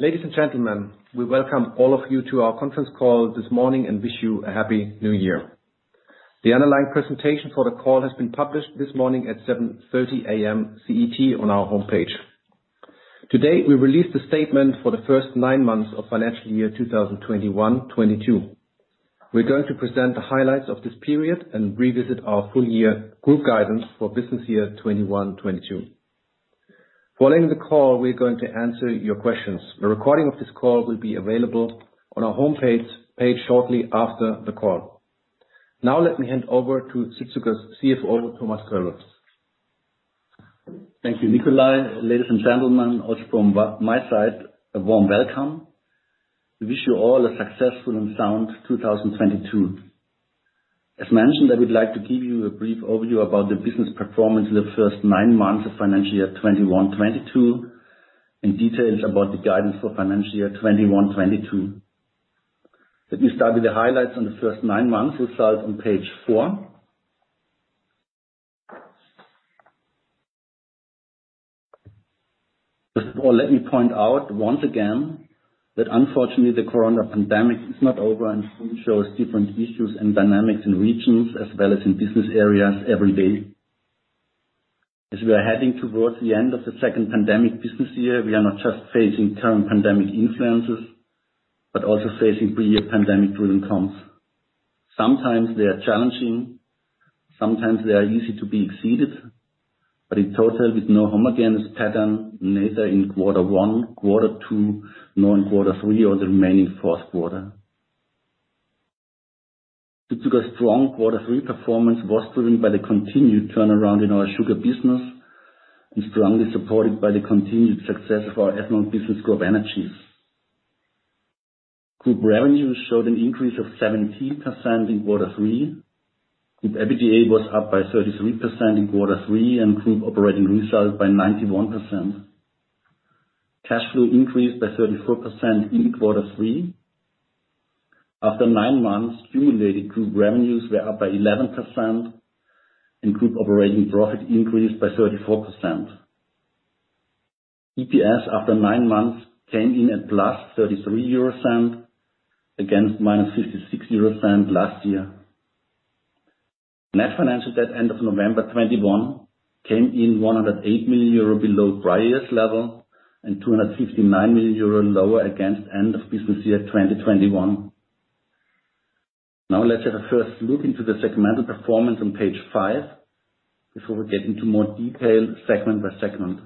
Ladies and gentlemen, we welcome all of you to our conference call this morning and wish you a happy New Year. The underlying presentation for the call has been published this morning at 7:30 A.M. CET on our homePage. Today, we released a statement for the first nine months of financial year 2021/22. We're going to present the highlights of this period and revisit our full year group guidance for business year 2021/22. Following the call, we're going to answer your questions. A recording of this call will be available on our homePage shortly after the call. Now let me hand over to Südzucker CFO, Thomas Kölbl. Thank you, Nikolai. Ladies and gentlemen, also from my side, a warm welcome. We wish you all a successful and sound 2022. As mentioned, I would like to give you a brief overview about the business performance in the first nine months of financial year 2021/22, and details about the guidance for financial year 2021/22. Let me start with the highlights on the first nine months, which start on Page four. First of all, let me point out once again, that unfortunately, the coronavirus pandemic is not over and still shows different issues and dynamics in regions as well as in business areas every day. As we are heading towards the end of the second pandemic business year, we are not just facing current pandemic influences, but also facing pre-pandemic driven comps. Sometimes they are challenging, sometimes they are easy to be exceeded, but in total with no homogenous pattern, neither in quarter one, quarter two, nor in quarter three or the remaining fourth quarter. Südzucker strong quarter three performance was driven by the continued turnaround in our sugar business and strongly supported by the continued success of our ethanol business CropEnergies. Group revenues showed an increase of 17% in quarter three, with EBITDA up by 33% in quarter three and group operating results by 91%. Cash flow increased by 34% in quarter three. After nine months, accumulated group revenues were up by 11% and group operating profit increased by 34%. EPS after nine months came in at +0.33 EUR against -0.56 EUR last year. Net financial debt end of November 2021 came in 108 million euro below prior year's level and 259 million euro lower against end of business year 2021. Now let's have a first look into the segmental performance on Page 5 before we get into more detail segment by segment.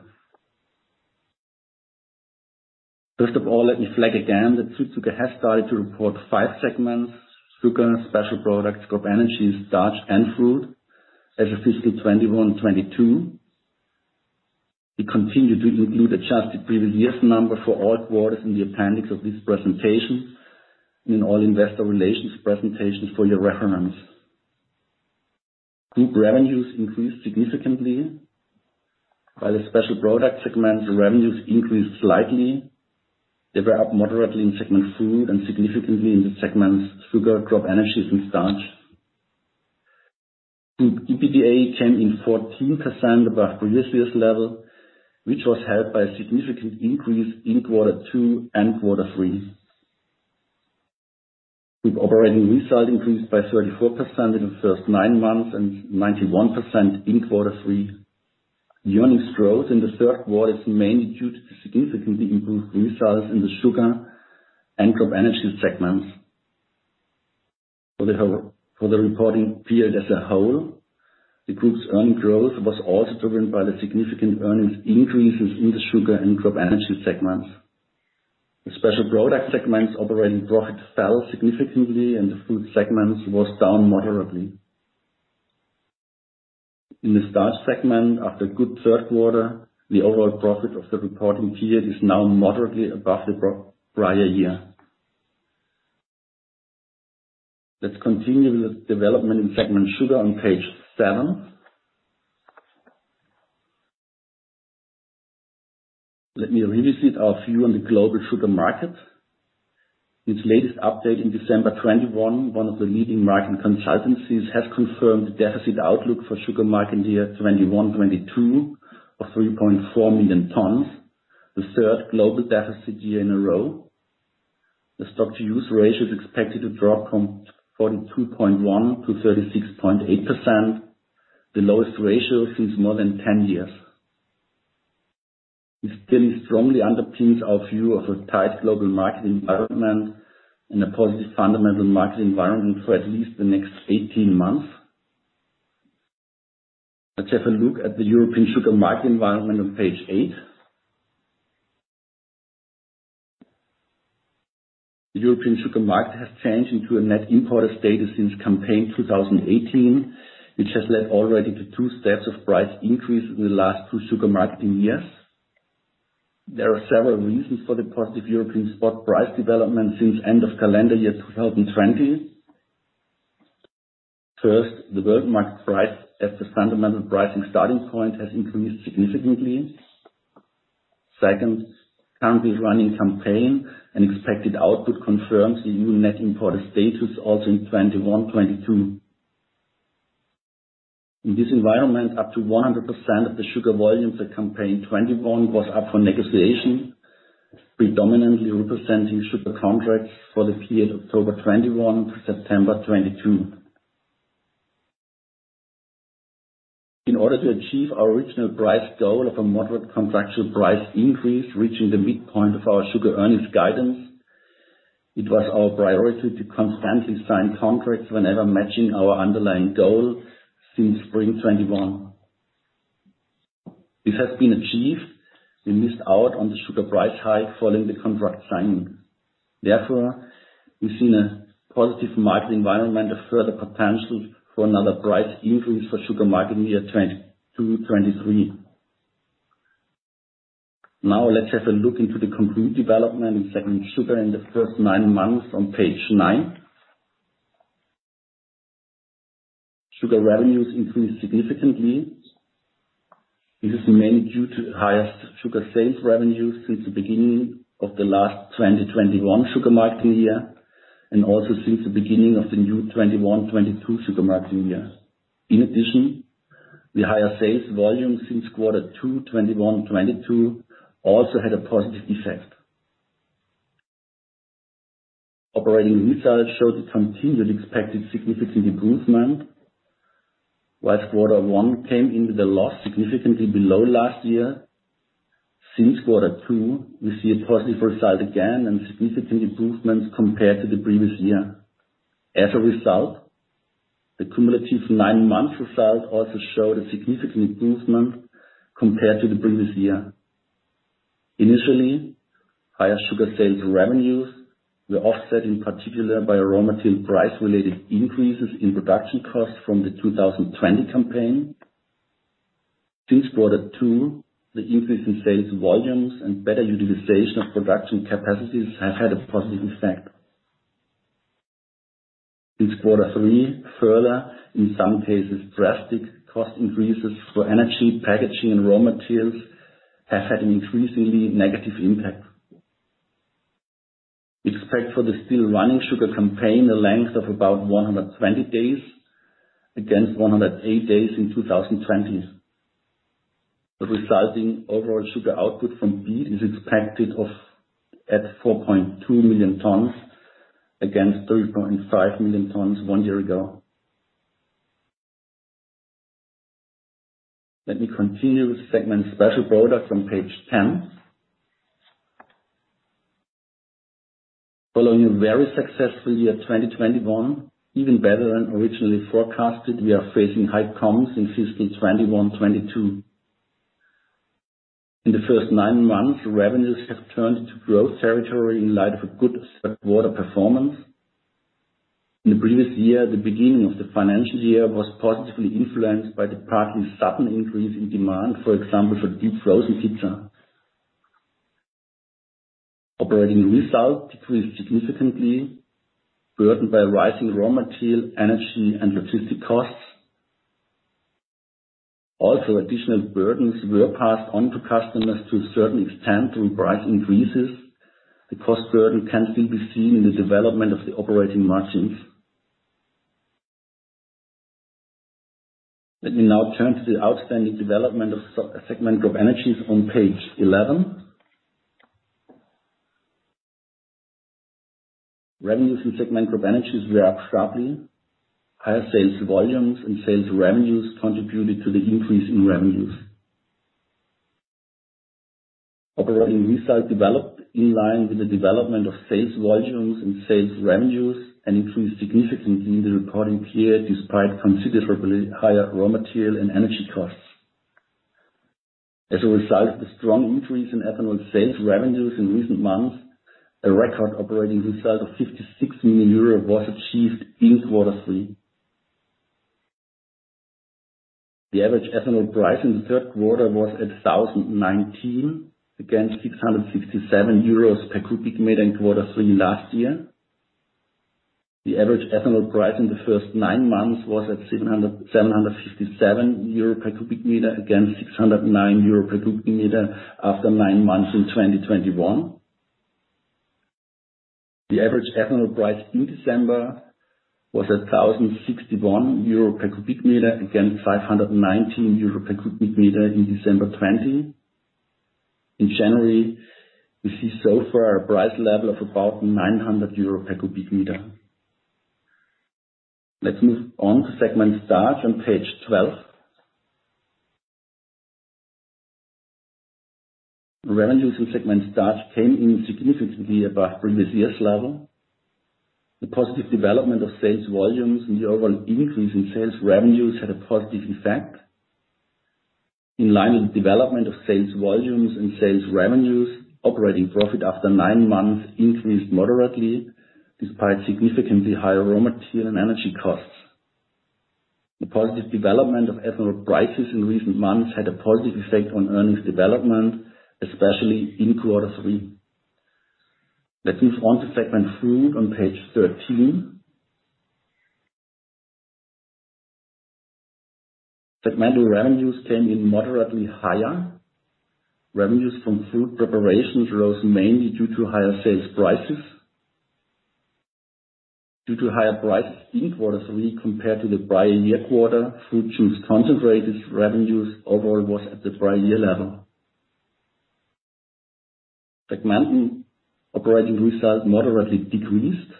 First of all, let me flag again that Südzucker has started to report five segments: Sugar, Special Products, CropEnergies, Starch, and Fruit as of FY 2021/22. We continue to include adjusted previous year's number for all quarters in the appendix of this presentation, in all investor relations presentations for your reference. Group revenues increased significantly while the Special Products segment revenues increased slightly. They were up moderately in Fruit segment and significantly in the segments Sugar, CropEnergies, and Starch. Group EBITDA came in 14% above previous year's level, which was helped by a significant increase in quarter two and quarter three, with operating results increased by 34% in the first nine months and 91% in quarter three. Earnings growth in the third quarter is mainly due to the significantly improved results in the Sugar and CropEnergies segments. For the reporting period as a whole, the group's earnings growth was also driven by the significant earnings increases in the Sugar and CropEnergies segments. The Special Products segment's operating profit fell significantly, and the Fruit segment was down moderately. In the Starch segment, after a good third quarter, the overall profit of the reporting period is now moderately above the prior year. Let's continue with development in segment Sugar on Page seven. Let me revisit our view on the global sugar market. Its latest update in December 2021, one of the leading market consultancies has confirmed the deficit outlook for sugar market year 2021/22 of 3.4 million tons, the third global deficit year in a row. The stocks-to-use ratio is expected to drop from 42.1% to 36.8%, the lowest ratio since more than 10 years. This still strongly underpins our view of a tight global market environment and a positive fundamental market environment for at least the next 18 months. Let's have a look at the European sugar market environment on Page eight. The European sugar market has changed into a net importer status since campaign 2018, which has led already to two steps of price increase in the last two sugar marketing years. There are several reasons for the positive European spot price development since end of calendar year 2020. First, the world market price as the fundamental pricing starting point has increased significantly. Second, currently running campaign and expected output confirms the EU net importer status also in 2021/22. In this environment, up to 100% of the Sugar volumes for campaign '21 was up for negotiation, predominantly representing Sugar contracts for the period October '21 to September '22. In order to achieve our original price goal of a moderate contractual price increase, reaching the midpoint of our Sugar earnings guidance, it was our priority to constantly sign contracts whenever matching our underlying goals since spring '21. This has been achieved. We missed out on the Sugar price hike following the contract signing. Therefore, we've seen a positive market environment of further potential for another price increase for sugar market year 2022/23. Now let's have a look into the complete development in segment Sugar in the first nine months on Page nine. Sugar revenues increased significantly. This is mainly due to the highest sugar sales revenues since the beginning of the last 2021 sugar marketing year, and also since the beginning of the new 2021/22 sugar marketing year. In addition, the higher sales volumes since quarter two, 2021/22 also had a positive effect. Operating results showed a continued expected significant improvement, while quarter one came in at a loss significantly below last year. Since quarter two, we see a positive result again and significant improvements compared to the previous year. As a result, the cumulative nine months result also showed a significant improvement compared to the previous year. Initially, higher sugar sales revenues were offset, in particular by raw material price-related increases in production costs from the 2020 campaign. Since quarter two, the increase in sales volumes and better utilization of production capacities have had a positive effect. Since quarter three, further, in some cases, drastic cost increases for energy, packaging, and raw materials have had an increasingly negative impact. We expect for the still running sugar campaign a length of about 120 days, against 108 days in 2020. The resulting overall sugar output from beet is expected at 4.2 million tons against 3.5 million tons one year ago. Let me continue with segment Special Products on Page ten. Following a very successful year, 2021, even better than originally forecasted, we are facing high comps in FY 2021/22. In the first nine months, revenues have turned to growth territory in light of a good third quarter performance. In the previous year, the beginning of the financial year was positively influenced by the partly sudden increase in demand, for example, for deep frozen pizza. Operating results decreased significantly, burdened by rising raw material, energy, and logistic costs. Also, additional burdens were passed on to customers to a certain extent through price increases. The cost burden can still be seen in the development of the operating margins. Let me now turn to the outstanding development of the segment CropEnergies on Page 11. Revenues in segment CropEnergies were up sharply. Higher sales volumes and sales revenues contributed to the increase in revenues. Operating results developed in line with the development of sales volumes and sales revenues, and increased significantly in the reporting period, despite considerably higher raw material and energy costs. As a result of the strong increase in ethanol sales revenues in recent months, a record operating result of 56 million euro was achieved in quarter three. The average ethanol price in the third quarter was at 1,019 per cubic meter, against 667 euros per cubic meter in quarter three last year. The average ethanol price in the first nine months was at 757 euro per cubic meter, against 609 euro per cubic meter after nine months in 2021. The average ethanol price through December was at 1,061 euro per cubic meter, against 519 euro per cubic meter in December 2020. In January, we see so far a price level of about 900 euro per cubic meter. Let's move on to segment Starch on Page 12. Revenues in segment Starch came in significantly above previous year's level. The positive development of sales volumes and the overall increase in sales revenues had a positive effect. In line with the development of sales volumes and sales revenues, operating profit after nine months increased moderately despite significantly higher raw material and energy costs. The positive development of ethanol prices in recent months had a positive effect on earnings development, especially in quarter three. Let's move on to segment Fruit on Page 13. Segment revenues came in moderately higher. Revenues from fruit preparations rose mainly due to higher sales prices. Due to higher price in quarter three compared to the prior year quarter, fruit juice concentrates revenues overall was at the prior year level. Segment operating results moderately decreased.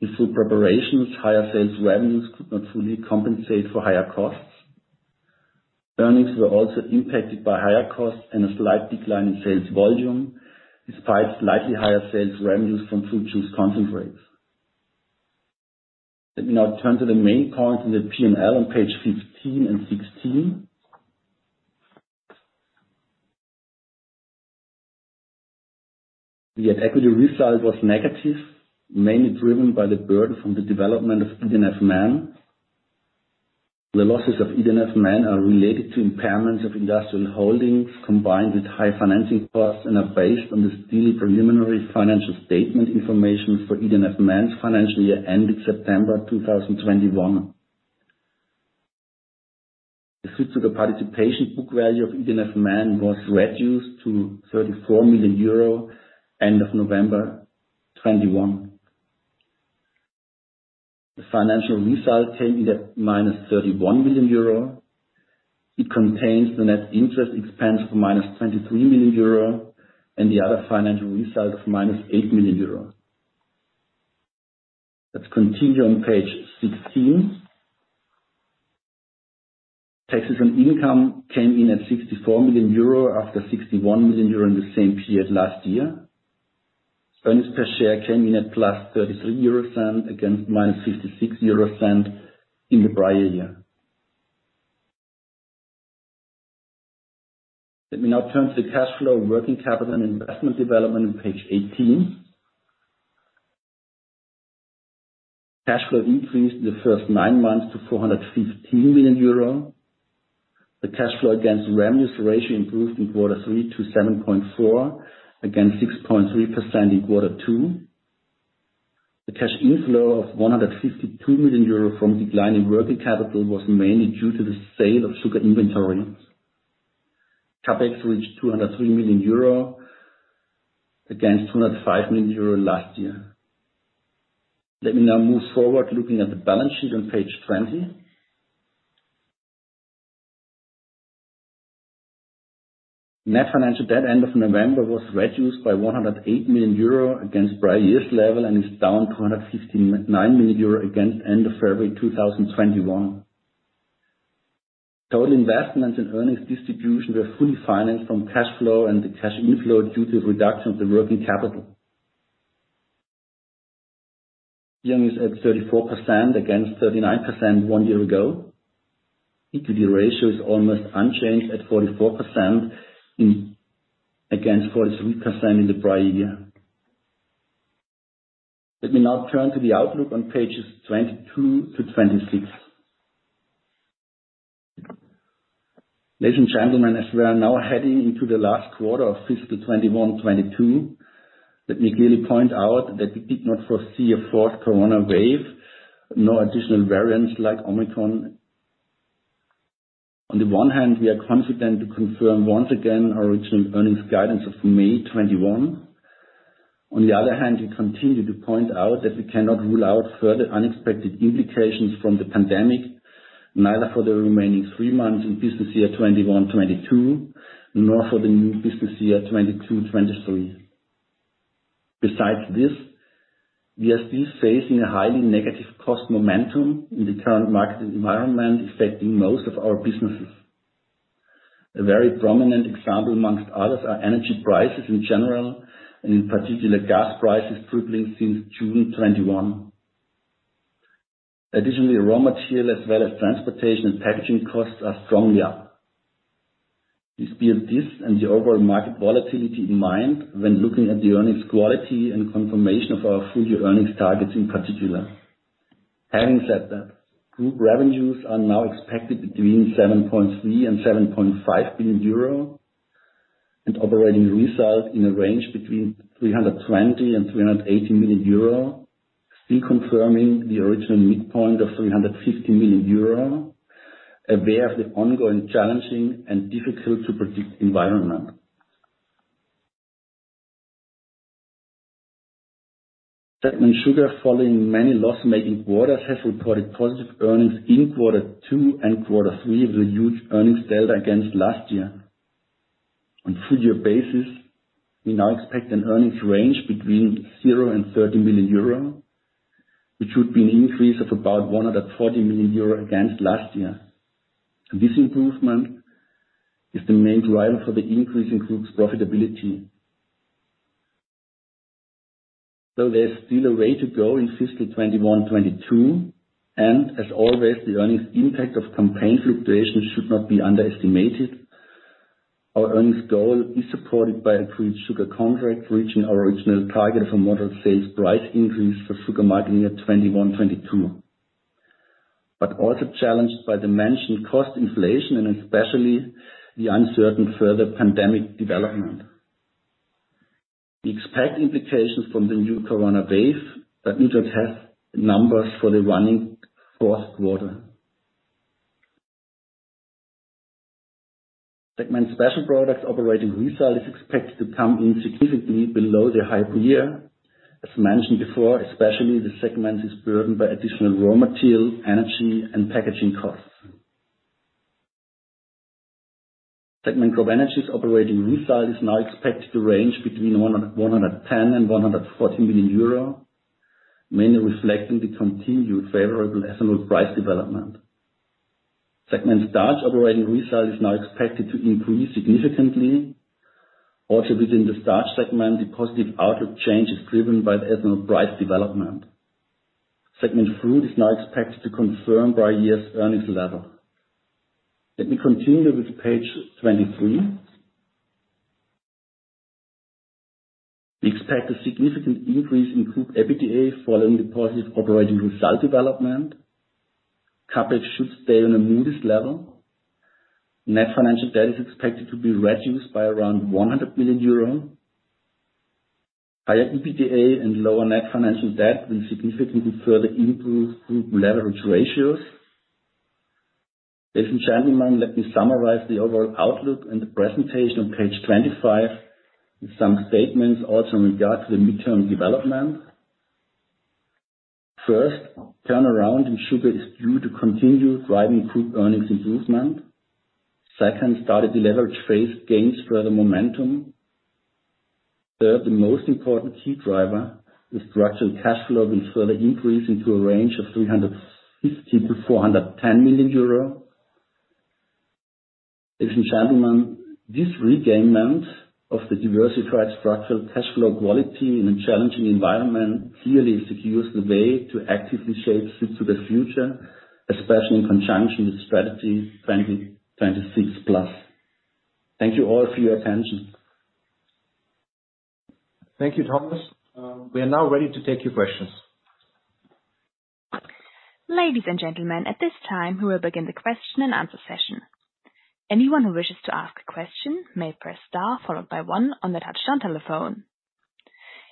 In fruit preparations, higher sales revenues could not fully compensate for higher costs. Earnings were also impacted by higher costs and a slight decline in sales volume, despite slightly higher sales revenues from fruit juice concentrates. Let me now turn to the main points in the P&L on Page 15 and 16. The equity result was negative, mainly driven by the burden from the development of ED&F Man. The losses of ED&F Man are related to impairments of industrial holdings, combined with high financing costs, and are based on the still preliminary financial statement information for ED&F Man's financial year ending September 2021. The future participation book value of ED&F Man was reduced to 34 million euro end of November 2021. The financial result came in at -31 million euro. It contains the net interest expense of -23 million euro and the other financial result of -8 million euro. Let's continue on Page 16. Taxes on income came in at 64 million euro after 61 million euro in the same period last year. Earnings per share came in at +0.33 EUR against -0.56 EUR in the prior year. Let me now turn to the cash flow, working capital, and investment development on Page 18. Cash flow increased in the first nine months to 415 million euro. The cash flow against revenues ratio improved in quarter three to 7.4%, against 6.3% in quarter two. The cash inflow of 152 million euro from decline in working capital was mainly due to the sale of sugar inventory. CapEx reached 203 million euro against 205 million euro last year. Let me now move forward looking at the balance sheet on Page 20. Net financial debt end of November was reduced by 108 million euro against prior year's level and is down 259 million euro against end of February 2021. Total investments and earnings distribution were fully financed from cash flow and the cash inflow due to reduction of the working capital. Gearing is at 34% against 39% one year ago. Equity ratio is almost unchanged at 44% against 43% in the prior year. Let me now turn to the outlook on Pages 22-26. Ladies and gentlemen, as we are now heading into the last quarter of fiscal 2021/22, let me clearly point out that we did not foresee a fourth corona wave, nor additional variants like Omicron. On the one hand, we are confident to confirm once again our original earnings guidance of May 2021. On the other hand, we continue to point out that we cannot rule out further unexpected implications from the pandemic, neither for the remaining three months in business year 2021/22, nor for the new business year 2022/23. Besides this, we are still facing a highly negative cost momentum in the current market environment affecting most of our businesses. A very prominent example among others are energy prices in general, and in particular, gas prices tripling since June 2021. Additionally, raw material as well as transportation and packaging costs are strongly up. Please bear this and the overall market volatility in mind when looking at the earnings quality and confirmation of our full year earnings targets in particular. Having said that, group revenues are now expected between 7.3 billion and 7.5 billion euro, and operating results in a range between 320 million and 380 million euro, reconfirming the original midpoint of 350 million euro, aware of the ongoing challenging and difficult to predict environment. Sugar segment, following many loss-making quarters, has reported positive earnings in quarter two and quarter three with a huge earnings delta against last year. On full year basis, we now expect an earnings range between 0 million and 30 million euro, which would be an increase of about 140 million euro against last year. This improvement is the main driver for the increase in group's profitability. Though there is still a way to go in fiscal 2021/22, and as always, the earnings impact of campaign fluctuations should not be underestimated. Our earnings goal is supported by improved sugar contract reaching our original target of a moderate sales price increase for sugar marketing year 2021/22, but also challenged by the mentioned cost inflation and especially the uncertain further pandemic development. We expect implications from the new corona wave, but we don't have numbers for the running fourth quarter. Special Products segment operating result is expected to come in significantly below the prior year. As mentioned before, especially the segment is burdened by additional raw material, energy, and packaging costs. CropEnergies segment's operating result is now expected to range between 100 million euro, 110 million and 140 million euro, mainly reflecting the continued favorable ethanol price development. Starch segment operating result is now expected to increase significantly. Also within the Starch segment, the positive outlook change is driven by the ethanol price development. Fruit segment is now expected to confirm prior year's earnings level. Let me continue with Page 23. We expect a significant increase in group EBITDA following the positive operating result development. CapEx should stay on a modest level. Net financial debt is expected to be reduced by around 100 million euro. Higher EBITDA and lower net financial debt will significantly further improve group leverage ratios. Ladies and gentlemen, let me summarize the overall outlook and the presentation on Page 25, with some statements also in regard to the mid-term development. First, turnaround in Sugar is due to continue driving group earnings improvement. Second, targeted leverage ratio gains further momentum. Third, the most important key driver is structural cash flow will further increase into a range of 350 million-410 million euro. Ladies and gentlemen, this arrangement of the diversified structural cash flow quality in a challenging environment clearly secures the way to actively shape Südzucker's future, especially in conjunction with Strategy 2026 PLUS. Thank you all for your attention. Thank you, Thomas. We are now ready to take your questions. Ladies and gentlemen, at this time we will begin the question-and-answer session. Anyone who wishes to ask a question may press Star followed by one on the touchtone telephone.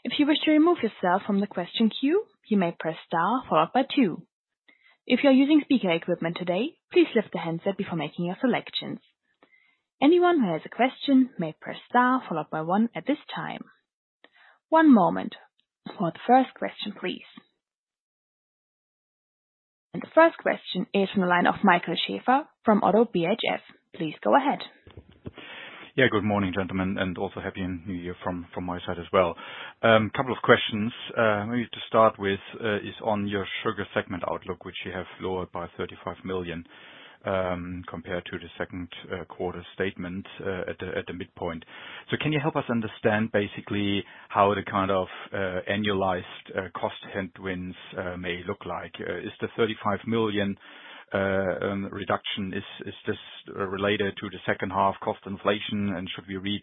If you wish to remove yourself from the question queue, you may press Star followed by two. If you're using speaker equipment today, please lift the handset before making your selections. Anyone who has a question may press Star followed by one at this time. One moment for the first question, please. The first question is from the line of Michael Schaefer from ODDO BHF. Please go ahead. Yeah, good morning, gentlemen, and also happy new year from my side as well. Couple of questions. Maybe to start with, is on your Sugar segment outlook, which you have lowered by 35 million, compared to the second quarter statement, at the midpoint. Can you help us understand basically how the kind of annualized cost headwinds may look like? Is the 35 million reduction this related to the second half cost inflation? And should we read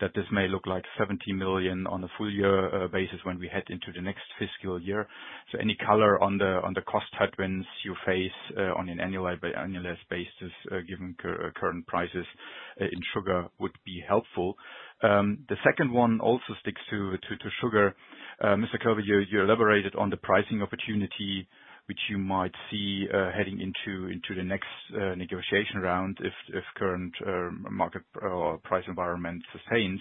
that this may look like 70 million on a full-year basis when we head into the next fiscal year? Any color on the cost headwinds you face on an annualized basis, given current prices in sugar would be helpful. The second one also sticks to sugar. Mr. Kölbl, you elaborated on the pricing opportunity which you might see heading into the next negotiation round if current market or price environment sustains.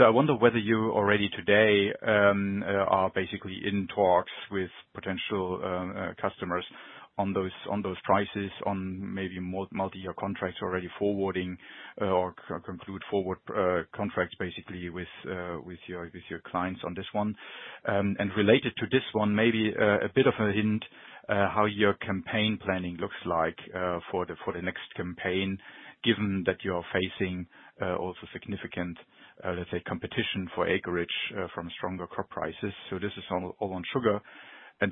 I wonder whether you already today are basically in talks with potential customers on those prices on maybe multi-year contracts already forward or conclude forward contracts basically with your clients on this one. Related to this one, maybe a bit of a hint how your campaign planning looks like for the next campaign, given that you are facing also significant, let's say, competition for acreage from stronger crop prices. This is all on sugar.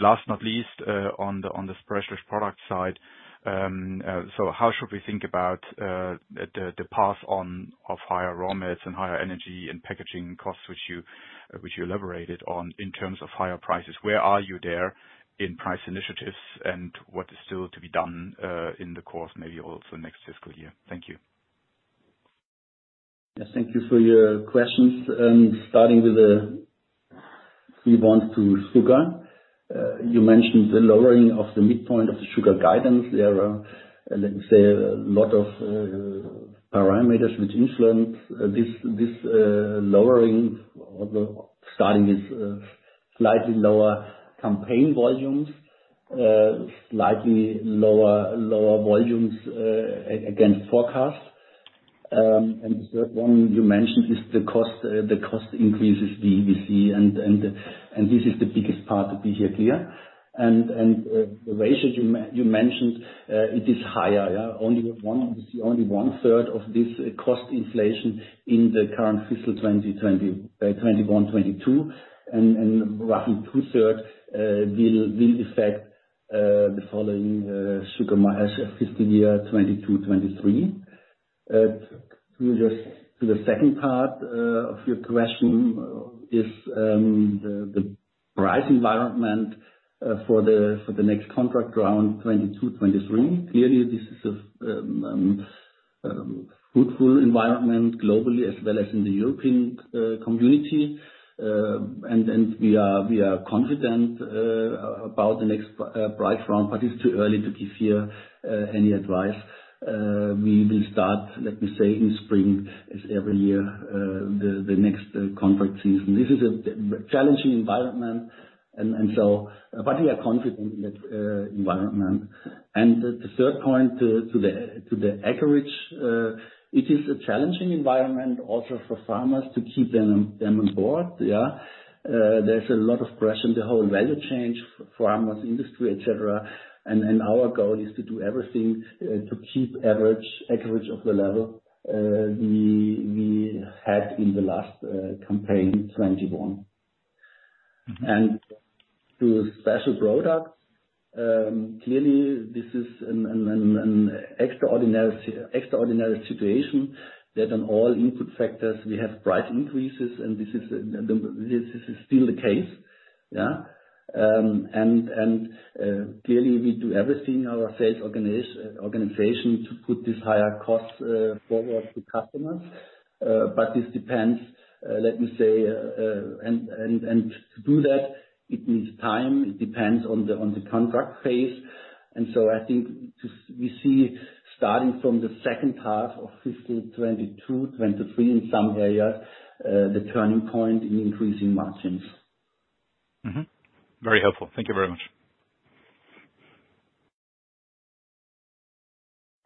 Last but not least, on the Special Products side, so how should we think about the pass on of higher raw materials and higher energy and packaging costs which you elaborated on in terms of higher prices? Where are you there in price initiatives and what is still to be done in the course maybe also next fiscal year? Thank you. Yes, thank you for your questions. starting with Sugar, you mentioned the lowering of the midpoint of the Sugar guidance. There are, let me say, a lot of parameters which influence this lowering. starting with slightly lower campaign volumes against forecast. The third one you mentioned is the cost increases we see, and this is the biggest part to be clear here. The ratio you mentioned, it is higher. Only 1/3 of this cost inflation in the current fiscal 2021/22 and roughly 2/3 will affect the following sugar fiscal year 2022/23. To the second part of your question is the price environment for the next contract around 2022/23. Clearly, this is a fruitful environment globally as well as in the European Community. We are confident about the next price round, but it's too early to give you any advice. We will start, let me say, in spring, as every year, the next contract season. This is a challenging environment, but we are confident in that environment. The third point to the acreage, it is a challenging environment also for farmers to keep them on board, yeah. There's a lot of pressure in the whole value chain for farmers, industry, et cetera. Our goal is to do everything to keep average acreage at the level we had in the last campaign, 2021. To Special Products, clearly this is an extraordinary situation that on all input factors we have price increases and this is still the case. Clearly we do everything in our sales organization to put this higher cost forward to customers. But this depends, let me say, and to do that, it needs time. It depends on the contract phase. I think we see starting from the second half of fiscal 2022/23 in some areas the turning point in increasing margins. Very helpful. Thank you very much.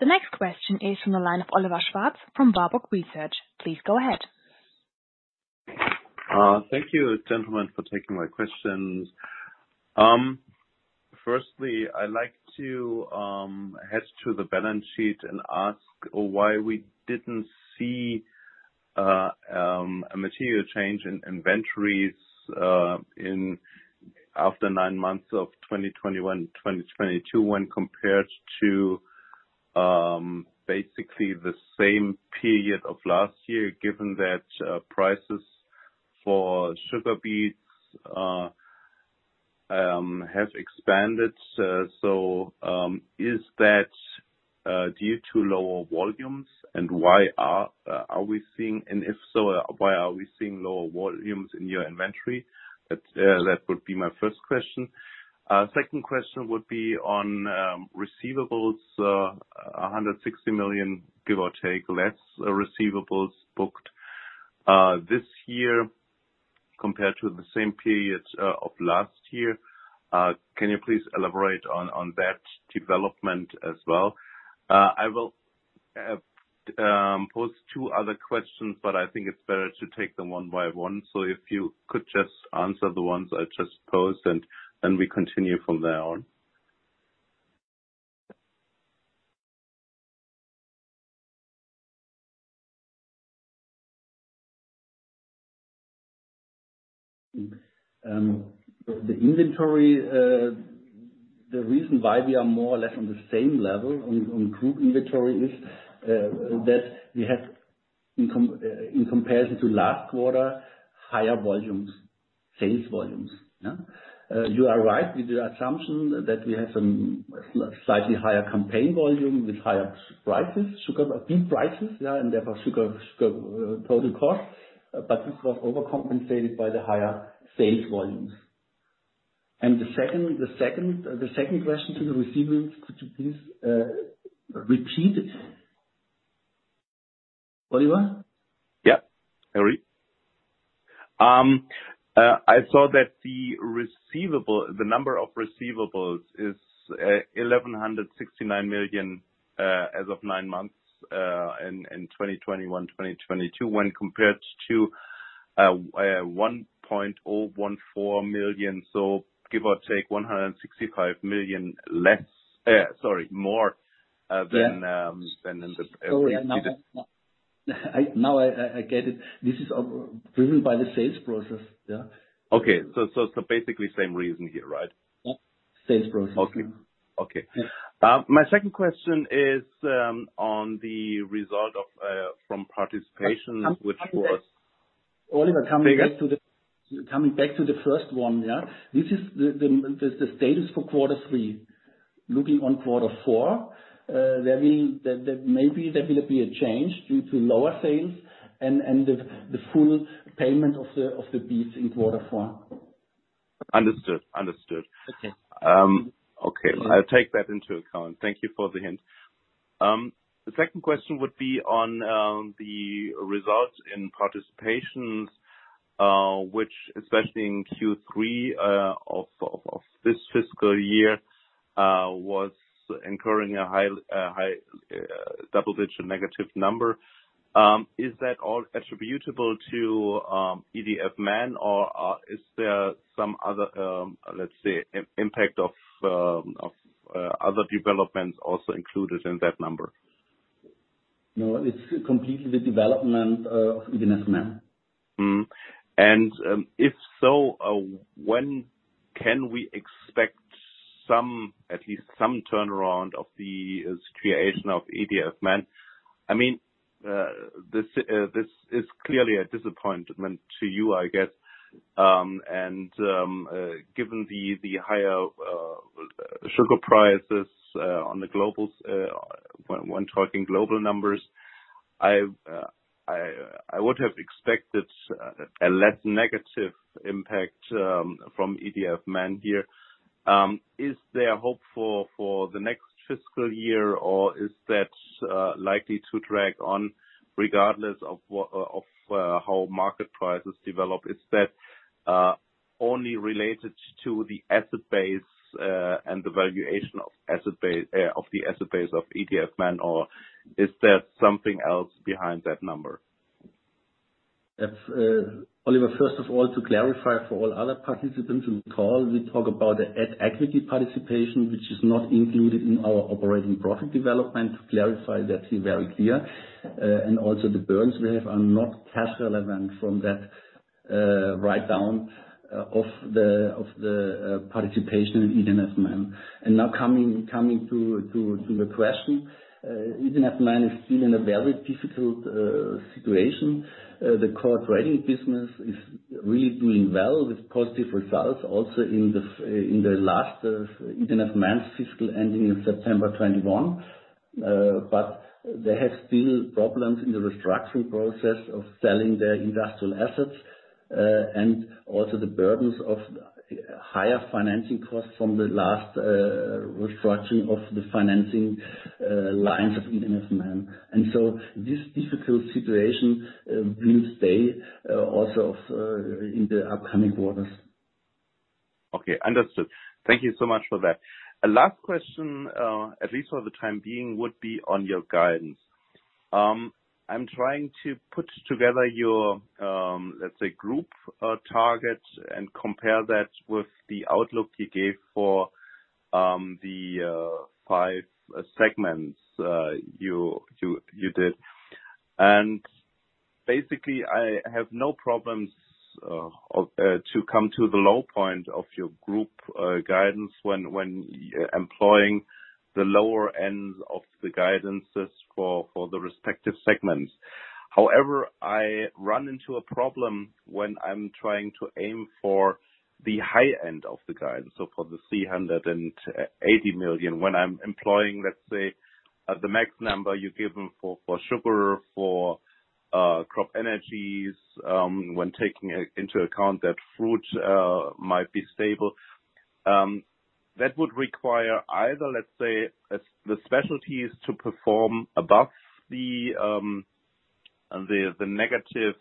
The next question is from the line of Oliver Schwarz from Warburg Research. Please go ahead. Thank you, gentlemen, for taking my questions. Firstly, I'd like to head to the balance sheet and ask why we didn't see a material change in inventories after nine months of 2021/22 when compared to basically the same period of last year, given that prices for sugar beets have expanded. Is that due to lower volumes? And if so, why are we seeing lower volumes in your inventory? That would be my first question. Second question would be on receivables, 160 million, give or take, less receivables booked this year compared to the same period of last year. Can you please elaborate on that development as well? I will pose two other questions, but I think it's better to take them one by one. If you could just answer the ones I just posed, and we continue from there on. The inventory, the reason why we are more or less on the same level on group inventory is that we have in comparison to last quarter, higher volumes, sales volumes, yeah. You are right with the assumption that we have some slightly higher campaign volume with higher prices, sugar beet prices, yeah, and therefore sugar total costs, but this was overcompensated by the higher sales volumes. The second question to the receivables, could you please repeat it? Oliver? I saw that the number of receivables is 1,169 million as of nine months in 2021/22 when compared to 1,014 million. Give or take 165 million less, sorry, more. Yeah. than in the previous Oh, yeah. Now I get it. This is driven by the sales process, yeah. Okay. Basically same reason here, right? Yeah. Sales process. Okay. Okay. Yeah. My second question is on the result from participation, which was. Oliver, coming back to the Sorry. Coming back to the first one, yeah. This is the status for quarter three. Looking on quarter four, there may be a change due to lower sales and the full payment of the beets in quarter four. Understood. Okay. Okay. I'll take that into account. Thank you for the hint. The second question would be on the results in participations, which especially in Q3 of this fiscal year was incurring a high double-digit negative number. Is that all attributable to ED&F Man or is there some other, let's say, impact of other developments also included in that number? No, it's completely the development of ED&F Man. If so, when can we expect some turnaround of the situation of ED&F Man. I mean, this is clearly a disappointment to you I get. Given the higher sugar prices on the global when talking global numbers, I would have expected a less negative impact from ED&F Man here. Is there hope for the next fiscal year, or is that likely to drag on regardless of how market prices develop? Is that only related to the asset base and the valuation of the asset base of ED&F Man, or is there something else behind that number? Oliver, first of all, to clarify for all other participants on the call, we talk about the at-equity participation, which is not included in our operating profit development. To clarify that, to be very clear, and also the burdens we have are not cash relevant from that write-down of the participation in ED&F Man. Now coming to the question, ED&F Man is still in a very difficult situation. The core trading business is really doing well with positive results also in the fiscal ending in September 2021. But they have still problems in the restructuring process of selling their industrial assets, and also the burdens of higher financing costs from the last restructuring of the financing lines of ED&F Man. This difficult situation will stay also in the upcoming quarters. Okay, understood. Thank you so much for that. Last question, at least for the time being, would be on your guidance. I'm trying to put together your, let's say, group targets and compare that with the outlook you gave for the five segments you did. Basically, I have no problems to come to the low point of your group guidance when employing the lower end of the guidances for the respective segments. However, I run into a problem when I'm trying to aim for the high end of the guidance, so for 380 million, when I'm employing, let's say, the max number you've given for Sugar, for CropEnergies, when taking into account that Fruit might be stable. That would require either, let's say, the specialties to perform above the negative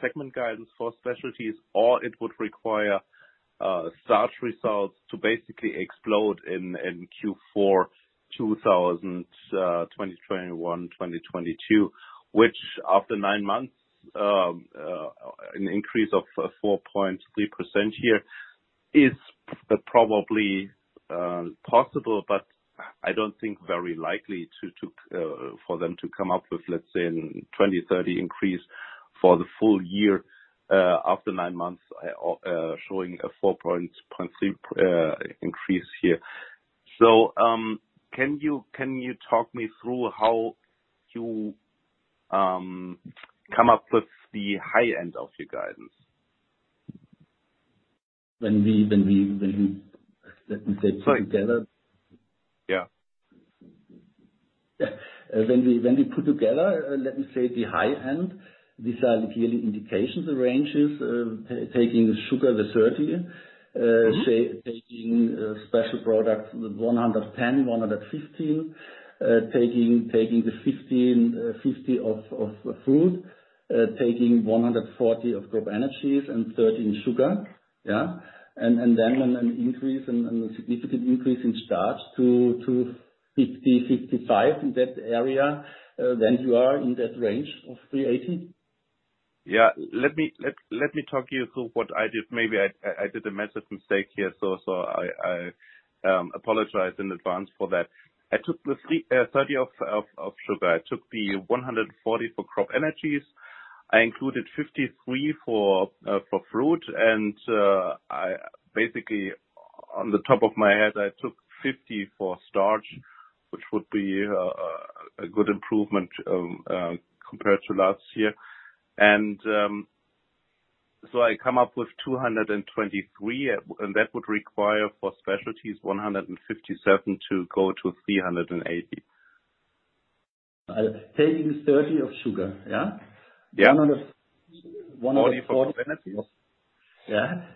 segment guidance for specialties, or it would require Starch results to basically explode in Q4 2021/22. Which after nine months an increase of 4.3% here is probably possible, but I don't think very likely for them to come up with, let's say, a 20-30% increase for the full year, after nine months showing a 4.3% increase here. Can you talk me through how you come up with the high end of your guidance? Let me say put together. Yeah. When we put together, let me say the high end, these are clearly indications of ranges. Taking the Sugar 30, say taking Special Products with 110 million-115 million. Taking the 15, 50 of Fruit. Taking 140 million of CropEnergies and 130 million Sugar, yeah. Then an increase and a significant increase in Starch to 50-55 in that area, then you are in that range of 380 million. Yeah. Let me talk you through what I did. Maybe I did a massive mistake here, so I apologize in advance for that. I took the 330 for Sugar. I took the 140 for CropEnergies. I included 53 for Fruit. I basically, on the top of my head, I took 50 for Starch, which would be a good improvement compared to last year. I come up with 223, and that would require for Special Products 157 to go to 380. Taking 30 of sugar, yeah? Yeah. One hundred, one hundred forty- 40 for energy. Yeah.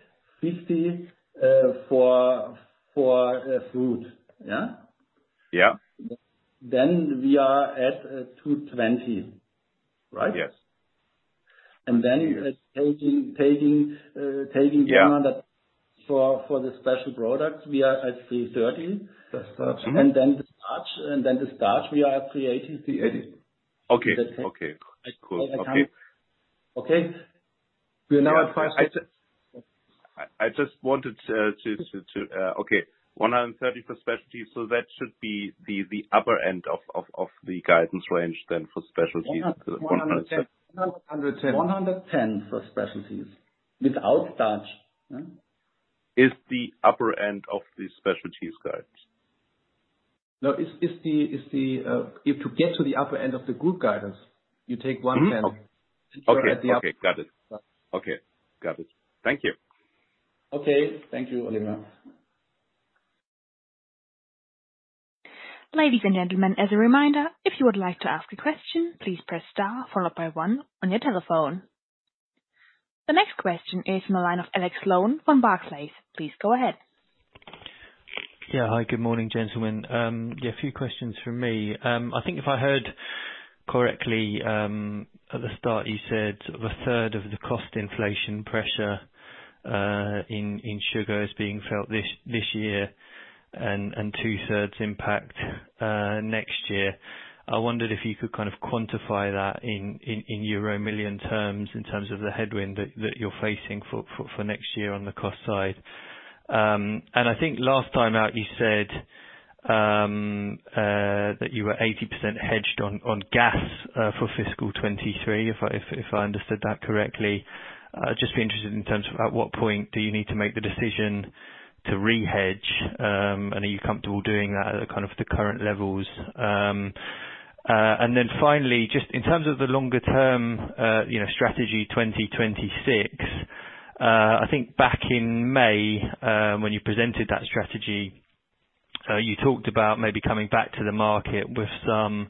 50 for Fruit, yeah? Yeah. We are at 2:20, right? Yes. Taking. Yeah. EUR 100 for the Special Products, we are at 330. The Starch. Mm-hmm. The Starch, we are at 380. Okay. Okay, cool. Okay. Okay. We are now at five. I just wanted to. Okay. 130 for specialties. That should be the upper end of the guidance range then for specialties. 110. 110 for specialties. Without Starch, yeah. Is the upper end of the Specialties guide. No. If you get to the upper end of the group guidance, you take 1 million- Mm-hmm. Okay. You're at the upper- Okay. Got it. Yeah. Okay. Got it. Thank you. Okay, thank you, Oliver. Ladies and gentlemen, as a reminder, if you would like to ask a question, please press Star followed by one on your telephone. The next question is from the line of Alex Sloane from Barclays. Please go ahead. Yeah. Hi, good morning, gentlemen. Yeah, a few questions from me. I think if I heard correctly, at the start you said a third of the cost inflation pressure in Sugar is being felt this year and 2/3 impact next year. I wondered if you could kind of quantify that in euro million terms in terms of the headwind that you're facing for next year on the cost side. I think last time out you said that you were 80% hedged on gas for FY 2023, if I understood that correctly. I'd just be interested in terms of at what point do you need to make the decision to re-hedge, and are you comfortable doing that at the kind of current levels? Finally, just in terms of the longer term, you know, Strategy 2026, I think back in May, when you presented that strategy, you talked about maybe coming back to the market with some,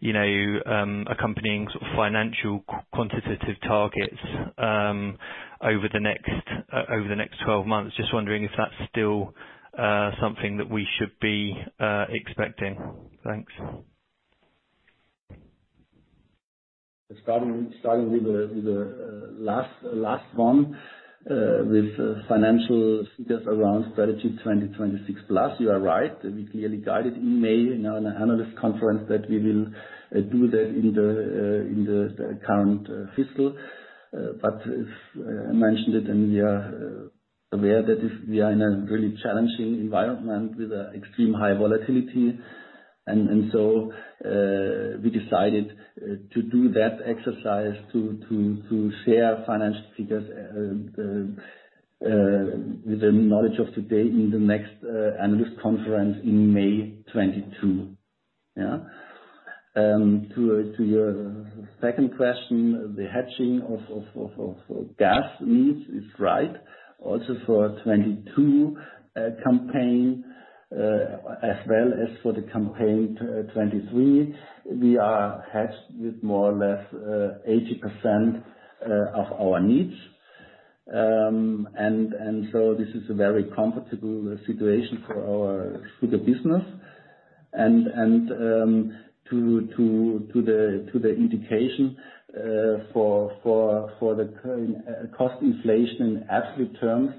you know, accompanying sort of financial quantitative targets, over the next 12 months. Just wondering if that's still something that we should be expecting. Thanks. starting with the last one with financial figures around Strategy 2026 PLUS, you are right. We clearly guided in May in our analyst conference that we will do that in the current fiscal. If I mentioned it, and we are aware that if we are in a really challenging environment with extreme high volatility and so, we decided to do that exercise to share financial figures with the knowledge of today in the next analyst conference in May 2022. To your second question, the hedging of gas needs is right. Also for 2022 campaign as well as for the campaign 2023, we are hedged with more or less 80% of our needs. This is a very comfortable situation for our Sugar business. To the indication for the cost inflation in absolute terms,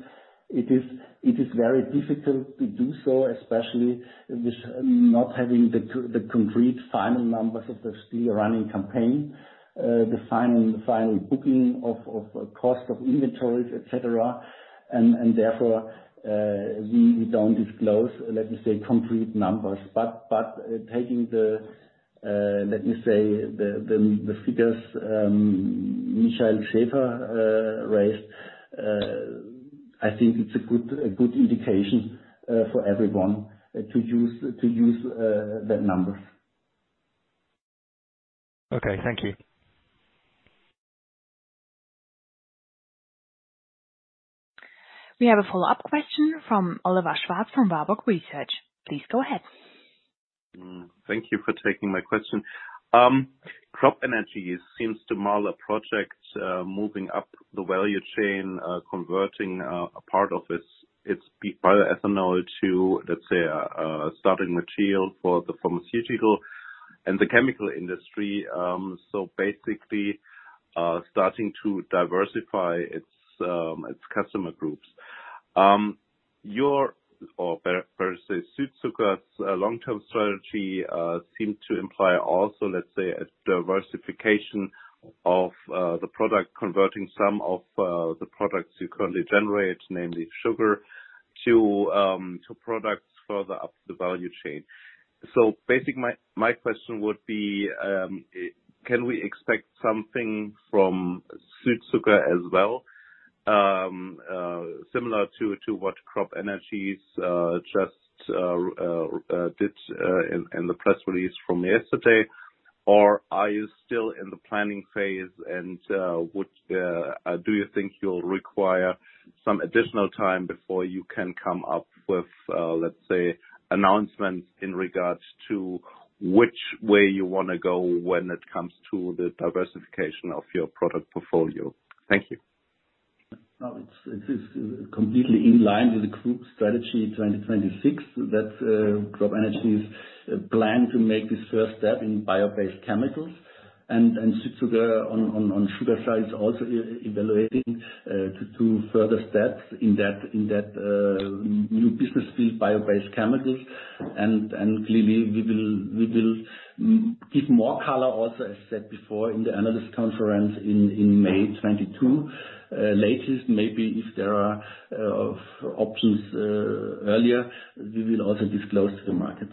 it is very difficult to do so, especially with not having the concrete final numbers of the still running campaign, the final booking of cost of inventories, et cetera. Therefore, we don't disclose, let me say, concrete numbers. Taking the, let me say, the figures Michael Schaefer raised, I think it's a good indication for everyone to use that number. Okay, thank you. We have a follow-up question from Oliver Schwarz from Warburg Research. Please go ahead. Thank you for taking my question. CropEnergies seems to model a project, moving up the value chain, converting a part of its bioethanol to, let's say, a starting material for the pharmaceutical and the chemical industry, so basically, starting to diversify its customer groups. Your, or better say Südzucker's, long-term strategy seem to imply also, let's say, a diversification of the product, converting some of the products you currently generate, namely sugar, to products further up the value chain. Basically my question would be, can we expect something from Südzucker as well, similar to what CropEnergies just did in the press release from yesterday? Are you still in the planning phase and do you think you'll require some additional time before you can come up with, let's say, announcements in regards to which way you wanna go when it comes to the diversification of your product portfolio? Thank you. No, it is completely in line with the group Strategy 2026 that CropEnergies plan to make this first step in biobased chemicals. Südzucker on sugar side is also evaluating to do further steps in that new business field biobased chemicals. We will give more color also, as said before, in the analyst conference in May 2022. Latest, maybe there are options earlier, we will also disclose to the market.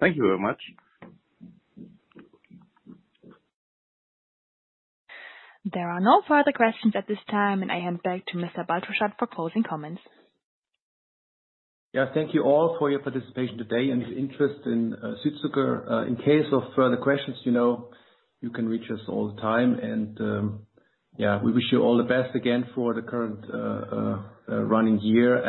Thank you very much. There are no further questions at this time, and I hand back to Mr. Baltruschat for closing comments. Yeah. Thank you all for your participation today and your interest in Südzucker. In case of further questions, you know you can reach us all the time. Yeah, we wish you all the best again for the current running year.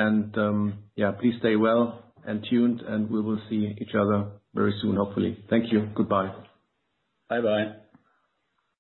Yeah, please stay well and tuned, and we will see each other very soon, hopefully. Thank you. Goodbye. Bye-bye.